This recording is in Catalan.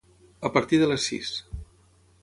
A partir de les sis.